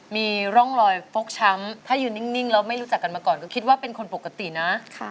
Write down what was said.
มีร่องรอยฟกช้ำถ้ายืนนิ่งแล้วไม่รู้จักกันมาก่อนก็คิดว่าเป็นคนปกตินะ